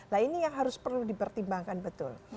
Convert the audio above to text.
nah ini yang harus perlu dipertimbangkan betul